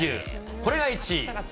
これが１位。